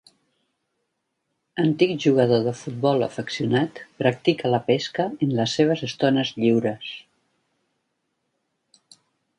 Antic jugador de futbol afeccionat, practica la pesca en les seves estones lliures.